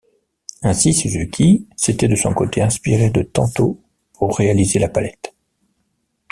Ainsi, Suzuki s'était de son côté inspiré du Tanto pour réaliser la Palette.